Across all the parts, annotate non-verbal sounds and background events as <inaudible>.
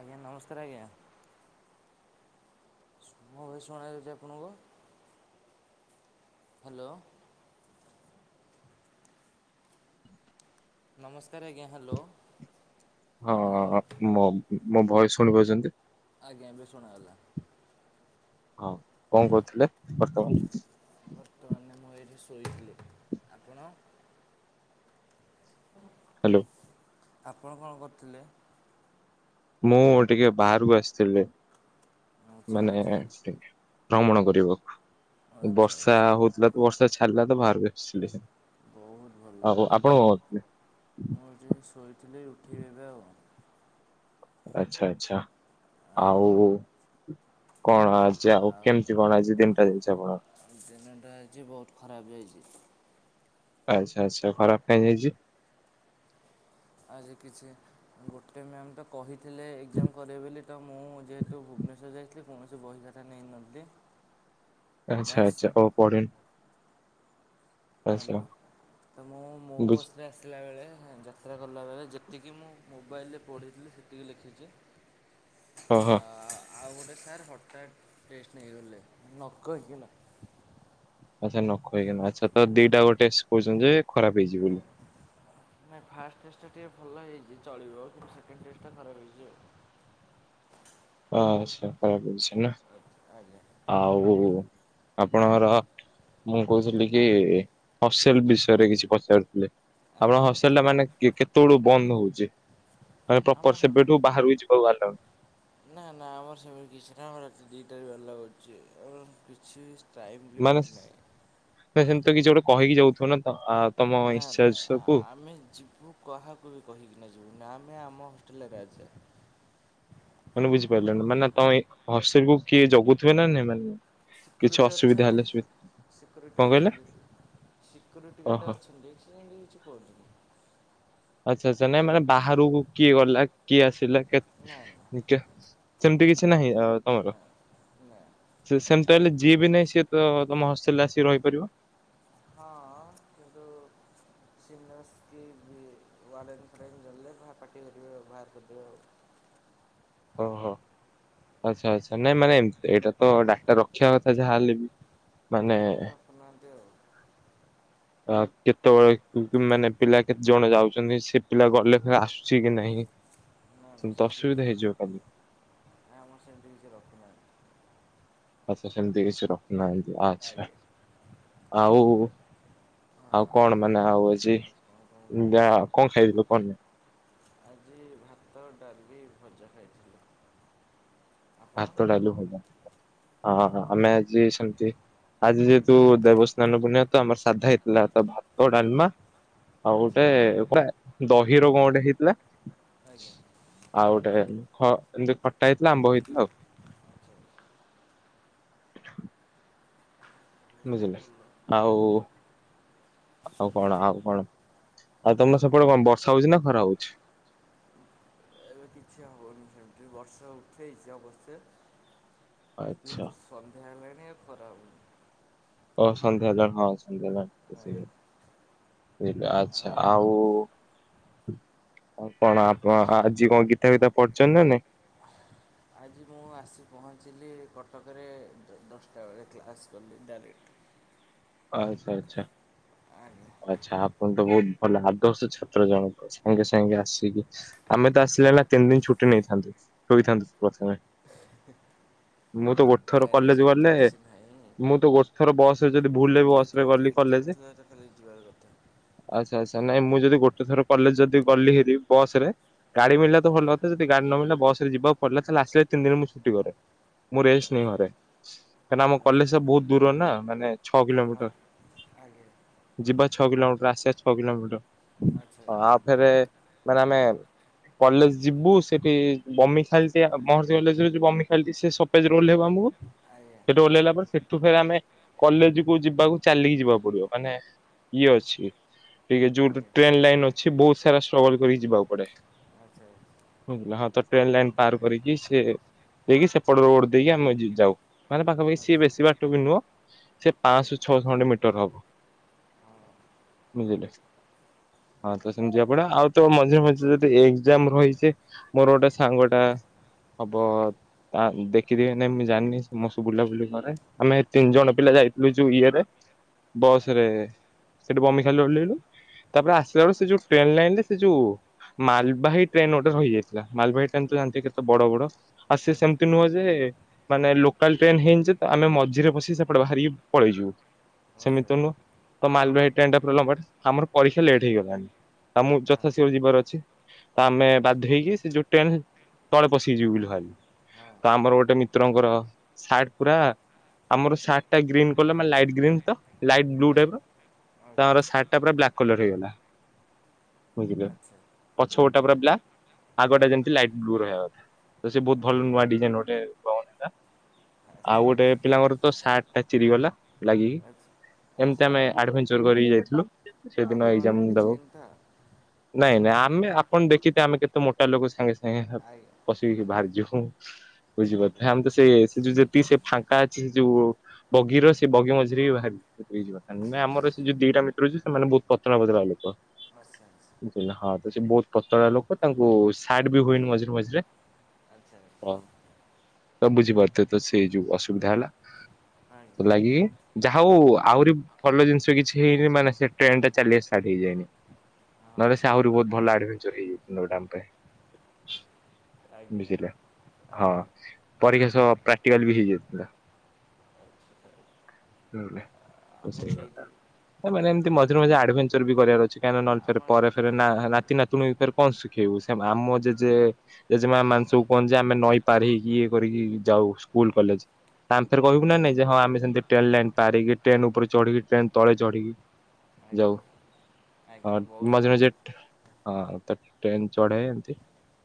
ଆଜ୍ଞା, ନମସ୍କାର ଆଜ୍ଞା। ମୋ ଭୟସ୍‌ ଶୁଣାଯାଉଛି ଆପଣଙ୍କୁ? ହ୍ୟାଲୋ। ନମସ୍କାର ଆଜ୍ଞା, ହ୍ୟାଲୋ। ହ୍ୟାଲୋ ହଁ-ଅ-ଅ, ମୋ, ମୋ ଭଏସ୍‌ ଶୁଣିିପାରୁଛନ୍ତି? ଆଜ୍ଞା, ଏବେ ଶୁଣାଗଲା। ହଁ, କଣ କରୁଥିଲେ ବର୍ତ୍ତମାନ? ବର୍ତ୍ତମାନ ମୁଁ ଏଇଠି ଶୋଇଥିଲି, ଆପଣ? <inaudible> ହ୍ୟାଲୋ। ଆପଣ କଣ କରୁଥିଲେ? ମୁଁ ଟିକେ ବାହାରକୁ ଆସିଥିଲି। ଆଚ୍ଛା ମାନେ ଆଚ୍ଛା ସେ ଭ୍ରମଣ କରିବ। ଆଚ୍ଛା ବର୍ଷା ଆଚ୍ଛା ହଉଥିଲା ତ, ବର୍ଷା ଛାଡିଲାରୁ ବାହାରକୁ ଆସିଲି। ବହୁତ ଭଲ ଆଉ ଆପଣ ଟେଷ୍ଟ କରିଥିଲେ, ଉଠେଇ ଦେବେ ଆଉ କଣ? ଆଚ୍ଛା, ଆଚ୍ଛା, ଆଜ୍ଞା ଆଉ କଣ? ଯାହା ହଉ, ଆଉ କେମିତି କଣ ଆଜି ଦିନିଟା ଯାଇଛି ଆମର। ଦିନଟା ଆଜି ବହୁତ ଖରାପ ଯାଇଛି। ଆଚ୍ଛା ଆଚ୍ଛା ଖରାପ ହେଇ ଯାଇଛି। ଆଜି କିଛି। ଗୋଟେ ମ୍ୟାାମ ତ କହିଥିଲେ ଏକ୍ଜାମ କରିବେ ବୋଲି। ତ ମୁଁ ଯେହେତୁ ଭୁବନେଶ୍ୱର ଯାଇଥିଲି କୌଣସି ବହି ଖା <unintelligible> ଆଚ୍ଛା ଆଚ୍ଛା ଆଉ ପଡ଼ିନି। ହ୍ୟାଲୋ, ତ ମୁଁ ମୋ ବୁଝ ବସରେ ଆସି ଥିଲାବେଳେ ଯାତ୍ରା କଲାବେଳେ, ଯେତିକି ମୁଁ ମୋବାଇଲରେ ପଢ଼ିଥିଲି ସେତିକି ଲେଖିଛି। ହଁ <unintelligible> ହଁ ଆଉ ଗୋଟେ ସାର୍ ହଟାତ୍ ଟେଷ୍ଟ ନେଇଗଲେ, ନ କହିକି ନା। ଆଚ୍ଛା ନ କହିକିନା, ଆଚ୍ଛା ତ ଦିଟା ଗୋଟେ କହୁଛନ୍ତି ଯେ ଖରାପ ହେଇଛି ବୋଲି। ନାଇଁ ଫାଷ୍ଟ ଟେଷ୍ଟଟା ଟିକେ ଭଲ ହେଇଛି ଚଳିବ, କିନ୍ତୁ ସେକେଣ୍ଡ ଟେଷ୍ଟଟା ଖରାପ ରହିଛି ଆଉ। ଆଚ୍ଛା ଖରାପ ହେଇଚି। ଆଜ୍ଞା। ଆଉ ଆପଣଙ୍କର। ମୁଁ କହୁଥିଲି କି, ହଷ୍ଟେଲ ବିଷୟରେ କିଛି ପଚାରୁଥିଲି। ଆମଣ ଆଜ୍ଞା ହଷ୍ଟେଲ ଟା ମାନେ କେତେବେଳୁ ବନ୍ଦ ହଉଛି? ଆ ଆମ ପ୍ରପର ସେବେଠୁ ବାହାରୁ କିଛି ପଡ଼ିଲାଣି ନା। ନା ନା ଆମର ସେମିତି କିଛି ନା ରାତି ଦିଟାରେ ବି ଆଲାଓ ଅଛି। ଆଉ କିଛି ଟାଇମ୍ ଲିମିଟ୍ ନାହିଁ। ତ ସେମିତି କିଛି ଗୋଟେ କହିକି ଯାଉଥିବ ନା। ତମ ନା ଇନଚାର୍ଜ ସବୁ ଆମେ ଯିବୁ। କାହାକୁ ବି କହିକିନା ଯିବୁନି, ଆମେ ଆମ ହଷ୍ଟେଲରେ ରାଜା। ମାନେ ବୁଝିପାରିଲନ ମାନେ ତମ ହଷ୍ଟେଲକୁ କିଏ ଜଗୁଥିବେ ନା ମାନେ? କିଛି ସେକ୍ୟୁରିଟି ଅସୁବିଧା ଅଛନ୍ତି, ହେଲେ ସେ ସେକ୍ୟୁରିଟି କଣ କହିଲେ ଅଛନ୍ତି, ସେକ୍ୟୁରିଟି ଓହୋ ଗାର୍ଡ଼େ ଅଛନ୍ତି। ସେମତି କିଛି କହୁନୁ। ଆଚ୍ଛା ଆଚ୍ଛା ନାଇଁ ମାନେ ବାହାରକୁ କିଏ ଗଲା, କିଏ ଆସିଲା, କେ ନାଁ। ସେମିତି କିଛି ନାହିଁ ଆଉ ତମର। ନା ନା ସେମିତି ହେଲେ ତ ଯିଏ ବି ନାହିଁ ସିଏ ତମ ହଷ୍ଟେଲରେ ଆସିକି ରହିପାରିବ। ହଁ, ହଁ, କିନ୍ତୁ ସିନ୍ସକି ବି ୱାଡେନ୍ ଫୁଆଡେନ୍ ଜାଣିଲେ ବା ପାଟି କରିବେ ଆଉ ବାହାର କରିଦେବେ ଆଉ। ଓହୋ, ଆଚ୍ଛା ଆଚ୍ଛା ନାଇଁ ମାନେ ଏମତି ଏଇଟା ତ ଡାଟା ରଖିବା କଥା ଯାହା ହେଲେ ବି। ମାନେ। କରିନାହାନ୍ତି ଆଉ। କେତେବେଳେ ମାନେ ପିଲା କେତେ ଜଣ ଯାଉଛନ୍ତି ସେ ପିଲା ଗଲେ ଆସୁଛି କି ନାହିଁ ସେମତି ଅସୁବିଧା ହେଇଯିବ କାଲି ଆଁ ଆମ ସେୁଜବାକୁ ନାହିଁ। ଆଚଛା ସେମିତି କିଛି ରଖୁନାହାନ୍ତି ଆଚ୍ଛା ଆଉ ଆଉ କଣ ମାନେ ଆଉ ଅଛି କଣ କହୁନି ଯ କଣ ଖାଇଥିବ କଣ। ଆଜି ଭାତ ଡାଲିକି ଭଜା ଖାଇଥିଲି। ଆପଣ ଭାତ ଡାଲି ଭଜା ହ ହଁ ଆମେ ଆଜି ସେମିତି ଆଜି ଯେହେତୁ ଦେବସ୍ନାନ ପୂର୍ଣ୍ଣିମା ତ ଆମର ସାଧା ହେଇଥିଲା ତ ଭାତ ଡାଲମା ଆଉ ଗୋଟେ ଆଚ୍ଛା ପୁରା ଦହି ର କଣ ଗୋଟେ ହେଇଥିଲା। ଆଜ୍ଞା ଆଉ ଗୋଟେ ହଁ ଏମତି ଖଟା ହେଇଥିଲା ଆମ୍ବ ହେଇ ଆଉ ଆଚ୍ଛା ବୁଝିଲେ ଭଲ ଆଉ ଆଜ୍ଞା ଆଉ କଣ ଆଉ କଣ ଆଉ ତମର ସେପଟେ କଣ ବର୍ଷା ହଉଛି ନା ଖରା ହଉଛି? ଏବେ କିଛି ହଉନି ସେମିତି ବର୍ଷା ଉଠେଇଛି ଅବଶ୍ୟ ଆଚ୍ଛା ଯେହେତୁ ସନ୍ଧ୍ୟା ହେଲାଣି ଏ ଖରା ହେଉ ଓ ସନ୍ଧ୍ୟା ହେଲାଣି ହଁ ସନ୍ଧ୍ୟା <inaudible> ଏବେ ଆଛା ଆଉ ଆଉ କଣ ଆପଣ ଆଜି କଣ ଗୀତା ଫିତା ପଢୁଛନ୍ତି ନାଁ ନାଇ? ଆଜି ମୁଁ ଆସି ପହଞ୍ଚିଲି କଟକରେ ଦଶଟା ବେଳେ କ୍ଲାସ୍ କଲି ଡାଇରେକ୍ଟ। ଆଛା ଆଚ୍ଛା। ଆଜ୍ଞା ଆଚ୍ଛା ଆପଣ ତ ବହୁତ ଭଲ ଆଦର୍ଶ ଛାତ୍ର ଜଣଙ୍କ ସାଙ୍ଗେ ସାଙ୍ଗେ ଆସିକି ଆମେ ତ ଆସିଲା ନା ତିନି ଦିନ ଛୁଟି ନେଇଥାନ୍ତୁ ଶୋଇଥାନ୍ତୁ ପ୍ରଥମେ ମୁଁ ତ ଗୋଟେ ଥର ନାଇଁ ନାଇଁ କଲେଜ ସେମିତି ଗଲେ କିଛି ନାହିଁ ମୁଁ ତ ଗୋଟେ ଥର ବସରେ ଯଦି ଭୁଲରେ ବି ଯେହେତୁ ବସରେ ଆଜି ଏକ୍ଜାମ ଥିଲା ତା ଖାଲି ଯିବାର କଥା। ଆଛା ଆଚ୍ଛା ନାଇଁ ମୁଁ ଯଦି ଗୋଟେ ଥର କଲେଜ ଯଦି ଗଲି ହେ ବସ ରେ ଗାଡି ମିଳିଲା ତ ଆଜ୍ଞା ଭଲ ଯଦି ଗାଡି ନ ମିଳିଲା ବସ ରେ ଯିବାକୁ ପଡିଲା ତାହାଲେ ଆସିଲେ ତିନି ଦିନ ମୁଁ ଛୁଟି କରେ ମୁଁ ରେଷ୍ଟ ନେଇଁ ଆଚ୍ଛା ଘରେ। କାହିଁ ନା ଆମ ଆଚ୍ଛା କଲେଜ ବହୁତ ଦୂର ନା ମାନେ ଛଅ ହଁ କିଲୋମିଟର। ଆଜ୍ଞା ଯିବା ଛଅ କିଲୋମିଟର ଆସିବା ଛଅ କିଲୋମିଟର। ଆଚ୍ଛା ହ ଆଉ ଫେରେ ମାନେ ଆମେ କଲେଜ ଯିବୁ ସେଠି ବମି ଖାଲି ମହର୍ଷି କଲେଜ ଯୁ ବମି ଖାଲି ସେ ଲେଯରୁ ଓହ୍ଲେଇବୁ ଆମକୁ ଆଜ୍ଞା ହେଠୁ ଓହ୍ଲେଇଲା ପରେ ସେଠୁ ଫେରେ ଆମେ କଲେଜ କୁ ଯିବାକୁ ଚାଲିକି ଯିବାକୁ ପଡିବ ମାନେ ଇଏ ଅଛି। ଟିକେ ଯୋଉଠୁ ଆଜ୍ଞା ଟ୍ରେନ ଲାଇନ ଅଛି ବହୁତ ସାରା ଷ୍ଟ୍ରଗଲ କରି ଯିବାକୁ ପଡେ। ଆଚ୍ଛା ଆଚ୍ଛା। ହଁ ତ ଟ୍ରେନ୍ ଲାଇନ୍ ପାର କରିକି ସେ ଦେଇକି ସେପଟେ ରୋଡ ଦେଇକି ଆମେ ଯାଉ ମାନେ ପାଖାପାଖି ଆଚ୍ଛା, ସିଏ ବେଶୀ ବାଟ ବି ନୁହଁ। ସେ ଆଜ୍ଞା ପାଞ୍ଚରୁ ଛଅଶ ଖଣ୍ଡେ ମିିଟର ହବ ହଁ ବୁଝିଲେ। ହଁ ତ ସେମିତି ଯିବ ପଡା ଆଉ ତ ମଝିରେ ମଝିରେ ଯଦି ଏକ୍ଜାମ ରହିଛେ। ମୋର ଗୋଟେ ସାଙ୍ଗଟା। ହବ ଆଜ୍ଞା ଦେଖିଦିଏ ନାଇଁ ମୁଁ ଜାଣିନି ସବୁ ବୁଲାବୁଲି କରେ ଆମେ ତିନି ଜଣ ଆଜ୍ଞା ପିଲା ଯାଇଥିଲୁ ଯୋ ଇଏ ରେ ଆଜ୍ଞା ବସ ରେ ଆଜ୍ଞା ସେଠି ବମି ଖାଲ ରୁ ଓହ୍ଲେଇଲୁ। ତାପରେ ଆସିଲ ବେଳେ ସେ ଯୋଉ ଟ୍ରେନ୍ ଲାଇନ ରେ ସେ ଯୁ ମାଲବାହୀ ଟ୍ରେନ୍ ଗୋଟେ ରହିଯାଇଥିଲା ମାଲବାହୀ ଟ୍ରେନ ତ ଜାଣିଥିବେ କେତେ ବଡ ବଡ। ଆଉ ଆଜ୍ଞା ସେମିତି ନୁହଁ ଯେ ମାନେ ଲୋକାଲ ଟ୍ରେନ୍ ହେଇନ ଯେ ତ ଆମେ ମଝିରେ ବସି ସେ ପଟେ ବାହାରିକି ପଳେଇଯିବୁ। ସେମିତ ନୁହ ତ ମାଲବାହ ଟ୍ରେନ ପୁରା ଲାମ୍ବା ଟେ ଆମର ପରୀକ୍ଷା ପୂରା ଲେଟ୍ ହେଇଗଲାଣି। ତ ମୁଁ ଯଥାଶୀଘ୍ର ଯିବାର ଅଛି। ତ ଆମେ ବାଧ୍ୟ ହେଇକି ସେ ଯୋଉ ଟ୍ରେନ୍ ତଳେ ପଶି ଯିବୁ ବୋଲି ଭାବିଲୁ। ତ ଆମର ଗୋଟେ ମିତ୍ରଙ୍କର ସାର୍ଟ ପୁରା ଆମର ସାର୍ଟ ଗ୍ରୀନ୍ କଲ ମାନେ ଲାଇଟ୍ ଗ୍ରୀନ୍ ତ ଲାଇଟ୍ ବ୍ଲୁ ଟାଇପ ତାମର ସାର୍ଟ ଟା ବ୍ଲାକ। କଲର ହେଇଗଲା <inaudible> ବୁଝିଲ। ଆଚ୍ଛା ପଛପଟ ଟା ପୁରା ବ୍ଲା ଆଗଟା ଆଇ ଯେମତି ଲାଇଟ୍ ବ୍ଲୁ ରହିବା କଥା। ତ ସେ ବହୁତ ହଁ ଭଲ ନୂଆ ଡିଜାଇନ ଗୋଟେ କସେଟା ଆଉ ଆଚ୍ଛା ଗୋଟେ ପିଲାଙ୍କର ତ ସାର୍ଟ। ସାର୍ଟ ଟା ଚିରିଗଲା ଲାଗିକି। ଆଚ୍ଛା ଆଚ୍ଛା ଏମତି ଆଚ୍ଛା ଆମେ ଆଡଭେଚର କରିକି ଯାଇଥିଲୁ। ସେଦିନ ଆପଣଙ୍କର ଏକ୍ଜାମ କିଛି ଦବ। ଚିନ୍ତା ନାଇଁ ନାଇଁ ଆମେ ଆପଣ ଦେଖିେଥିବେ ଆମେ କେତେ ମୋଟା ଲୋକ ସାଙ୍ଗେ ସାଙ୍ଗେ ଆଇ ପଶିକି ବାହାରି ଯିବୁ ସବୁ ଆଜ୍ଞା ବୁଝିପାରୁଥିବେ। ଆମେ ତ ସେ ସେ ଯୋଉଁ ଯେତିିକି ସେଫାଙ୍କା ଅଛି ସେ ଯୋଉ ବଗିର ସେ ବଗି ମଝିରେ ବି ଭାରିବେ ଦୁଇ ଜଣ ନା ଆମର ସେ ଯଉ ଦିଟା ମିତ୍ର ଅଛି ସେମାନେ ବହୁତ ପତଳା ପତଳା ଲୋକ। ନ <inaudible> ବୁଝିଲ ହଁ ତସେ ବହୁତ ପତଳା ଲୋକ ତାଙ୍କୁ ସାର୍ଟ ବି ହୁଏନି ମଝିରେ ମଝିରେ। ଆଚ୍ଛା ଆଜ୍ଞା ହଁ ତ ବୁଝିପାରୁଥିବେ ତ ସେ ଯୋଉ ଅସୁବିଧା ହେଲା। ହଁ ସେଥିଲାଗି ଯାହା ହଉ ଆହୁରି ଭଲ ଜିନିଷ କିଛି ହେଇନି। ମାନେ ସେ ଟ୍ରେନ ଟା ଚାଲିବା ଷ୍ଟାର୍ଟ ହେଇଯାଇନି। ନହେଲେ ସେ ଆହୁରି ବହୁତ ଭଲ ଆଡଭେଚର ହେଇଯାଇଥାନ୍ତା। ଆମ ପାଇଁ। ଆଜ୍ଞା ଆଜ୍ଞା ଆଚ୍ଛା ବୁଝିଲେ ହଁ ପରୀକ୍ଷା ସହ ପ୍ରାକ୍ଟିକାଲ ବି ହେଇଯାଇଥାନ୍ତା। ଆପଣ ସେଇଠି ମାନେ ସେ ଏମିତି ଟ୍ରେନ୍ ମଝିରେ, ମଝିରେ ଆଡଭେ ଚାର ବି କରିଆ ର ଅଚ୍ଛି କାହିଁକି ଆମ ନହେଲେ ପରେ ଫେରେ ନା ନାତି ନାାତୁଣୀ କୁ ଫେରେ କଣ ଶିଖେଇବୁ। ସେ ଆମ ଯେଯେ। ଜେଜେମା ଆଜ୍ଞା ମାଂସକୁ କୁହନ୍ତି ଯେ ଆମେ ନଈ ପାରି ହେଇକି ଇଏ କରିକି ଯାଉ ସ୍କୁଲ କଲେଜ ତାରେଯେ କହିବୁ ନା ନାଇ ଯେ ହଁ ଆମେ ସେମିତି ଟ୍ରାଲେଟ। ପାରିକି ଟ୍ରେନ ଉପରେ ଚଢିକି ଟ୍ରେନ ତଳେ ଚଢିକି ଆଜ୍ଞା, ଯାଉ। ଆଜ୍ଞା ବହୁତ ମଝିରେ ଭଲ। ମଝିରେ ହଁ ହଁ ତ ଟ୍ରେନ ଚଢ଼େଇବେ ଏମତି।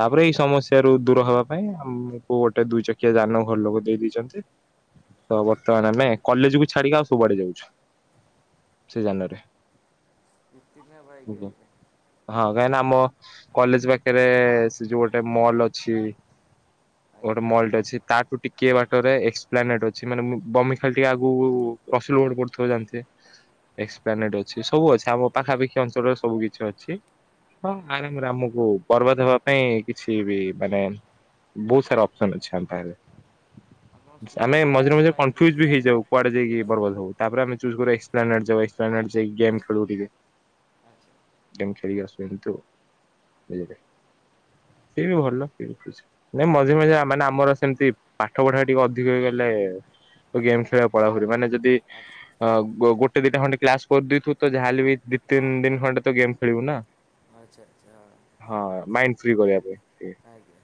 ତାପରେ ଏଇ ସମସ୍ୟ ରୁ ଦୂର ହେବା ପାଇଁ ଆମକୁ ଗୋଟେ ଦୁଇ ଚକିଆ ଯାନ ଘର ଲୋକ ଦେଇ ଦେଇଦେଛନ୍ତି। ତ ଆଚ୍ଛା ବର୍ତ୍ତମାନ ଆମେ କଲେଜକୁୁ ଛାଡିକି ଆଉ ସବୁଆଡେ ଯାଉଛୁ। ସେ ଜାନରେ। ଇତିନା ବାଇକ୍ ଆଜ୍ଞା ହଁ କାହିଁକ ନା ଆମ କଲେଜ ପାଖରେ ସେ ଯୋଉ ଗୋଟେ ମଲ ଅଛି। ଗୋଟେ ଆଜ୍ଞା ମଲଟେ ଅଛି ତାଠୁ ଟିକିଏ ବାଟରେ ଏସ ପ୍ଲାନେଟ୍ ଅଛି ମାନେ ବମି ଖାଲି ଟିକେ ଆଗକୁ ଅସୁଲ ଗୋଡ ଆଜ୍ଞା କରୁଥିବେ ଜାଣିଥିବେ। ହଁ ଏକ୍ସପାନେଟ ଅଛି। ସବୁ ଅଛି। ଆମ ପାଖାପାଖି ଅଞ୍ଚଳରେ ସବୁ କିଛି ଅଛି। ହଁ ଆଜ୍ଞା ଆରାମରେ ଆମକୁ ପର୍ବ ଦେବା ପାଇଁ କିଛି ବି ମାନେ ବହୁତ ସାରା ଅପସନ ଅଛି ଆମ ପାଇ ଏବେ। ଆପଣ ସ୍କୁଟି ଆମେ ଦେଇଛନ୍ତି ମଝିରେ ନା ମଝିରେ ବାଇକ୍ କନଫ୍ୟୁଜ ବି ଦେଇଛନ୍ତି? ହେଇଯାଉ। କୁଆଡେ ଯାଇକି ବରବାଦ ହେବୁ। ତାପରେ ଆମେ ଚୁଜୁ କରୁ ଏକ୍ସପ୍ଲାନେଟ ଜାଇ ଗେମ ଖେଳୁଟିକେ। ଆଚ୍ଛା ଯାଇକି ଖେଳିକି ଆସୁ ଏମିତି ଆଉ। ସିଏ ବି ଭଲ ସିଏ ବି ଖୁସି। ନାଇଁ ମଝିରେ, ମଝିରେ ମାନେ ଆମର ସେମିତି ପାଠ ପଢା ଟିକେ ଅ ଅଧିକ ହେଇ ଗଲେ ଗେମ୍ ଆଜ୍ଞା ଖେଳିବାକୁ ପଳାଉ ମାନେ ଯଦି ଆଚ୍ଛା ଅ ଗୋଟେ ଦିଟା ଖଣ୍ଡେ କ୍ଲାସ କରିଦେଇଥିବୁ ତ ଯାହେଲେ ବି ଦି ତିନି ଦିନ ଖଣ୍ଡେ ତ ଗେମ୍ ଖେଳିବୁ ନା। ଆଚ୍ଛା ଆଚ୍ଛା। ହଁ ମାଇଣ୍ଡ ଫ୍ରି କରିବା ପାଇଁ। ଟିକେ। ଆଜ୍ଞା।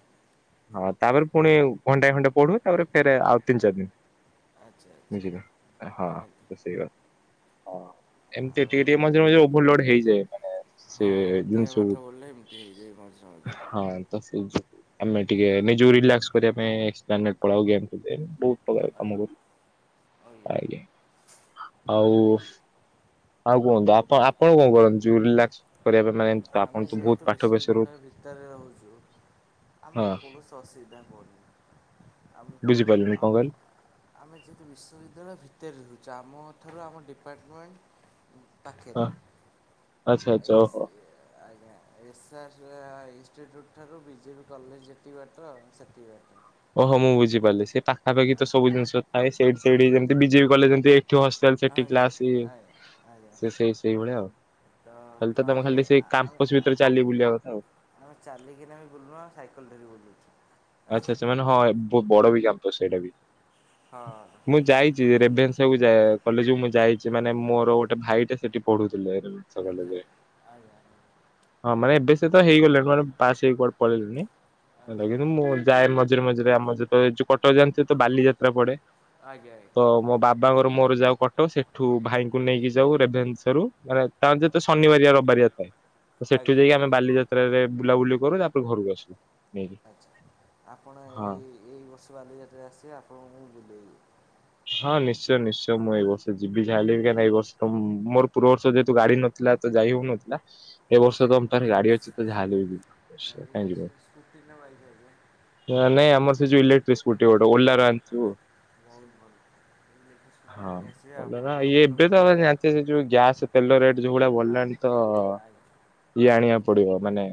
ହଁ ତାପରେ ପୁଣି ଘଣ୍ଟାଏ ଘଣ୍ଟେ ପଢୁ। ତାପରେ ଫେରେ ଆଉ ତିନ ଚାରି ଦିନ। ଆଚ୍ଛା ଆଚ୍ଛା ବୁଝିଲ? ହଁ ଆଜ୍ଞା ତ ସେଇ ଭଳିଆ। ହଁ ଏମିତି ଆଉ ଟିକେ ଟିକେ ମଝିରେ ଓଭରଲୋଡ ହେଇଯାଏ। <inaudible> ସେ ହଁ ଜିନି ଅଧିକା ପାଠ ସବୁ ପଢ଼ିଲେ ଏମିତି ହେଇଯାଏ ମଝିରେ ମଝିରେ। ହଁ ଆମେ ଟିକେ ନିଜକୁ ରିଲାକ୍ସ କରିବା ପାଇଁ ଏକ୍ସପାନେଟ ପଳାଉ ଗେମ ତ ବହୁତ ପ୍ରକାର କାମ କରୁଛି ଆଜ୍ଞା ଆଜ୍ଞା ଆଉ ଆଉ କୁହନ୍ତୁ? ଆପଣ ଆପଣ କଣ କରନ୍ତି? ରିଲାକ୍ସ କରିବା ପାଇଁ ମାଇଣ୍ଡ? ଆମେ ଯେହେତୁ ବିଶ୍ୱବିଦ୍ୟାଳୟ ଭିତରେ ରହୁଛୁ ଆମକୁ ହଁ କୌଣସି ଅସୁବିଧା ହନି ଆମକୁ ବୁଝିପାରିଲିନି ଆ କଣ କହିଲେ ଆମେ ଯେହେତୁ ବିଶ୍ୱବିଦ୍ୟାଳୟ ଭିତରେ ରହୁଛୁ ଆମ ଠାରୁ ଆମ ଡିପାର୍ଟମେଣ୍ଟ ହଁ ପାଖେରେ। ଆଚ୍ଛା ଆଚ୍ଛା ଓହୋ। ୟେସ। ଆଜ୍ଞା ଏସ୍ ଆର୍ଚ ଇନଷ୍ଟିଚ୍ୟୁଟ୍ ଠାରୁ ବିଜେପି କଲେଜ ଯେତିିକି ବାଟ ସେତିିକି ବାଟ। ଓହୋ ମୁଁ ବୁଝିପାରିଲି ସେ ପାଖାପାଖି ତ ସବୁ ଜିନିଷ ଥାଏ ସେଠ ସେଠି ଯେମିତି ବିଜେବି କଲେଜ ଯେମିତି ଏଠି ହଷ୍ଟେଲ ସେ <unintelligible> ସେ ସେଇ ସେଇଭଳିଆ ଆଉ ତ ଖାଲି ତ ତମେ ଆମେ ଖାଲି ସେଇ ଆମେ କାମ୍ପସ ଭିତରେ ଚାଲି ବୁଲିବା କଥା ଆଉ। ଆମେ ଚାଲିକିନାମେ ବୁଲୁ ସାଇକଲ ଧରି ବୁଲୁଛୁ। ଆଚ୍ଛା ସେମାନେ ହଁ ବଡ ବି କ୍ୟାମ୍ପସ ସେଇଟା ବି ହଁ ମୁଁ ଯାଇ ଚି ରେଭେନ୍ସା କୁ ଆଜ୍ଞା ଯା କଲେଜକୁ ମୁଁ ଯାଇଛି ମାନେ ମୋର ଗୋଟେ ଭାଇଟେ ସେଠି ପଢୁଥିଲେ। ସକାଳେ ଆଚ୍ଛା ଯେ ଆଜ୍ଞା। ହଁ ମାନେ ଏବେ ସେ ତ ହେଇଗଲେଣି ମାନେ ପାସ ହେଇକି କୁଆଡେ ଆଚ୍ଛା ପଳେଇଲେଣି। ମୁଁ ଯାଏ ମଝିରେ ମଝିରେ ଆମ ଏ ଯଉ କଟକ ଯାଆନ୍ତି ତ ବାଲିଯାତ୍ରା ପଡେ। ଆଜ୍ଞା ଆଜ୍ଞା। ତ ମୋ ବାବାଙ୍କର ମୋର ଯାଉ କଟକ ସେଠୁ ଭାଇଙ୍କୁ ନେଇକି ଯାଉ ରେଭେନ୍ସ ରୁ ମାନେ ତା ତ ଶନିବାରିଆ ରବି ବାରିଆ ଥାଏ ତ ଆଜ୍ଞା ସେଠୁ ଆଜ୍ଞା ଯାଇକି ଆମେ ବାଲିଯାତ୍ରା ରେ ବୁଲାବୁଲି କରୁ ତାପରେ ଘରକୁ ଆସୁ ନେଇକି। ଆଚ୍ଛା ଆପଣ ହଁ। ଏଇ ଏଇ ବର୍ଷ ବାଲିଯାତ୍ରା ଆସିବେ ଆପଣଙ୍କୁ ମୁଁ ବୁଲେଇବି। ହଁ ନିଶ୍ଚୟ ନିଶ୍ଚୟ ମୁଁ ଏଇ ବର୍ଷ ଯିବି କାହିଁକି ଏଇର୍ଷ ତ ମୋର ପୂର୍ବ ବର୍ଷ ଯେହେତୁ ଗାଡି ନ ଥିଲା ତ ଯାଇ ହେଉନଥିଲା। ଏ ବର୍ଷ ତମ ପାଖରେ ଗାଡି ଅଛି ତ ଯାହେଲେ ଭି ଯିବି ଗାଡ଼ି କାଇଁ ଅଛି ଯିବିନି? ସ୍କୁଟି ନାଁ ବାଇକ୍? ନାହିଁ ଆମର ସେ ଯଉ ଇଲେକ୍ଟ୍ରିକ ସ୍କୁଟି ଗୋଟେ ଓଲାର ଆଣିଛୁ। ବହୁତ ଭଲ। ଦେଖି ଶୁଖି ହଁ ଆଣି ଆସିବେ ଭଲ ଆପଣଙ୍କର ଇଏ ମୋର ଏବେ ତ ବୁଲିବ ଜାଣିଥିବେ ଯୋଉ ଗ୍ୟାସ ତେଲ ରେଟ୍ ଯୋଉ ଭଳିଆ ହଁ ବଢ଼ିଲାଣି ତ ଆଜ୍ଞା। ଇଏ ଆଣିବା ପଡିବ ମାନେ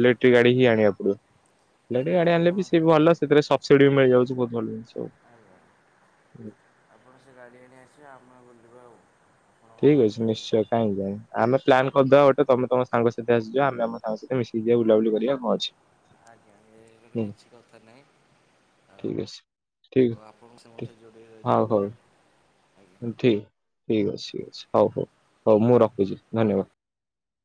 ଇଲେକ୍ଟ୍ରିକ ଗାଡି ହିଁ ଆଣିବାକୁ ପଡିବ। ଇଲେକ୍ଟ୍ରି ଆଜ୍ଞା ଗାଡି ଆଣିଲେ ଆପଣ ବି ସେ ବି ଭଲ ସେଥିରେ ସବସିଡି ବି ମିଳିଯାଉଛି ବହୁତ ଭଲ ଜିନିଷ ଆଉ। ଆମର ସେ ଗାଡ଼ି ଆଣି ଆସିବ ଆମେ ବୁଲିବା ଆଉ। ଆପଣ ଠିକ ଅଛି ଡାକିବେ। ନିଶ୍ଚୟ। କାଇଁକାଇଁ ଆମେ ପ୍ଲାନ୍ କରିଦବା ଗୋଟେ ତମେ ତମ ସାଙ୍ଗ ସାଥି ଆସିଯିବ ଆମେ ଆମ ସାଙ୍ଗ ସାହି ମିଶି ଯିବା ବୁଲାବୁଲି କରିବା କଁ ଅଛି। ଆଜ୍ଞା ଏ ହୁଁ କିଛି କଥା ନାହିଁ। ଠିକ୍ ଅଛି। ଠିକ୍ ଆଉ ଆପଣଙ୍କୁ ଠିକ୍ ସେମଠ ଯୋଡ଼େଇ ରଥିବ ମୋ ଏ ଠି ଠିକ୍ ଅଛି ଠିକ ଅଛି ହଉ ହଉ ହଉ ମୁଁ ରଖୁଛି ଧନ୍ୟବାଦ।